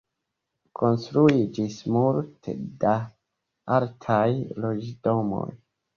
Konstruiĝis multe da altaj loĝdomoj.